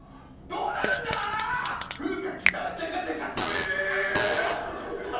どうなるんだー！